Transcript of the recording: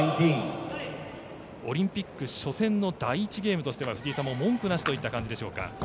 オリンピック初戦の第１ゲームとしては藤井さん、文句なしといった感じでしょうか。